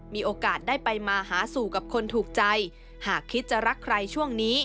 มีโอกาสได้ไปมาหาสู่กับคนถูกใจหากคิดจะรักใครช่วงนี้